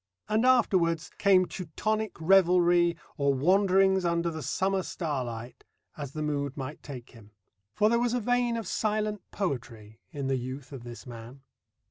And afterwards came Teutonic revelry or wanderings under the summer starlight, as the mood might take him. For there was a vein of silent poetry in the youth of this man.